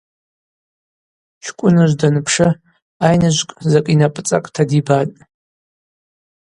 Чкӏвыныжв данпшы айныжвкӏ закӏ йнапӏыцӏакӏта дибатӏ.